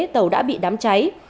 tàu đã bị đám cháy